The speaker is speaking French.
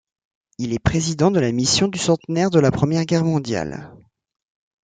Il est président de la Mission du centenaire de la Première Guerre mondiale.